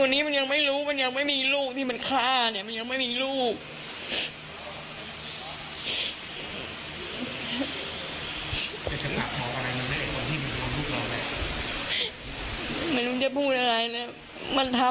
ทำทำไมเนี่ยเราก็อยากจะรู้ว่า